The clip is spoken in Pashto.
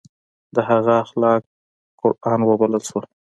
د هغه اخلاق قرآن وبلل شول.